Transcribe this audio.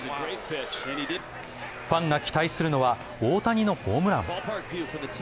ファンが期待するのは大谷のホームラン。